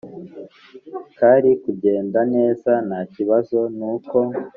karikugenda neza ntakibazo nuko